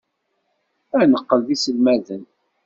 Ad neqqel d iselmaden.